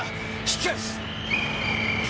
引き返す！